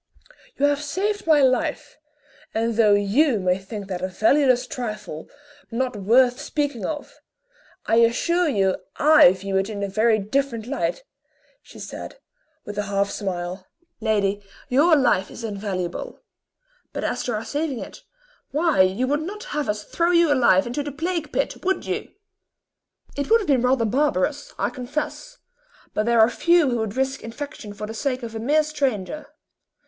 "You have saved my life; and though you may think that a valueless trifle, not worth speaking of, I assure you I view it in a very different light," she said, with a half smile. "Lady, your life is invaluable; but as to our saving it, why, you would not have us throw you alive into the plague pit, would you?" "It would have been rather barbarous, I confess, but there are few who would risk infection for the sake of a mere stranger.